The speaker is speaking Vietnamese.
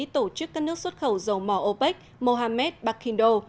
tổ chức các nước xuất khẩu dầu mỏ opec mohamed bakindo